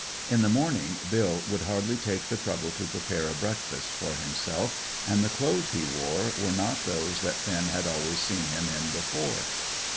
In the morning Bill would hardly take the trouble to prepare a breakfast for himself, and the clothes he wore were not those that Finn had always seen him in before.